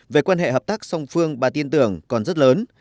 về quan hệ hợp tác song phương bà tin tưởng còn rất lớn